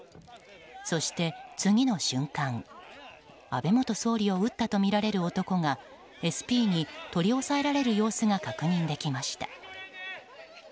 そして次の瞬間、安倍元総理を撃ったとみられる男がＳＰに取り押さえられる様子が確認できました。